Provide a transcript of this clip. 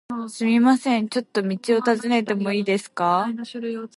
すみません、ちょっと道を尋ねてもいいですか？